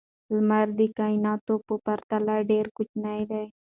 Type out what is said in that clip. لمر د کائناتو په پرتله ډېر کوچنی دی.